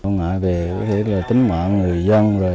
ngoại về tính mạng người dân